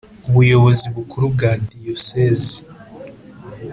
Ubuyobozi bukuru bwa Diyosezi